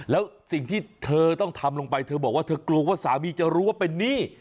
แล้วสิ่งที่เธอต้องทำลงไปเธอบอกว่าเธอกลัวว่าสามีจะรู้ว่าเป็นหนี้